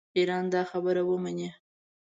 ایران دا خبره ومني.